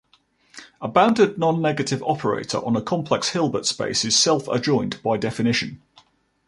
A bounded non-negative operator on a complex Hilbert space is self adjoint by definition.